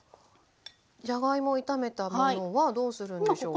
じゃがいも炒めたものはどうするんでしょうか？